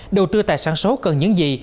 đầu tư tài sản số cần những gì